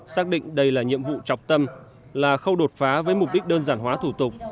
xác định đây là nhiệm vụ trọng tâm là khâu đột phá với mục đích đơn giản hóa thủ tục